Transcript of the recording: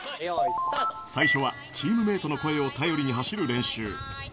最初はチームメートの声を頼りに走る練習。